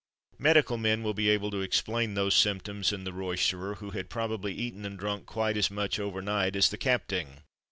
Medical men will be able to explain those symptoms in the roysterer, who had probably eaten and drunk quite as much over night as the "capting."